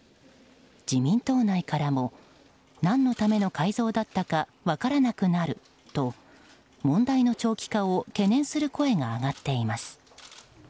自民党内からも何のための改造だったか分からなくなると問題の長期化を懸念する声が上がっています。